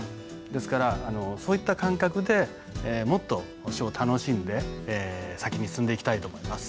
ですからそういった感覚でもっと書を楽しんで先に進んでいきたいと思います。